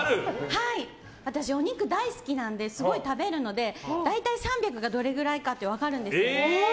私、お肉大好きなんですごい食べるので大体、３００がどれぐらいか強い！